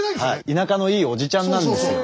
田舎のいいおじちゃんなんですよ。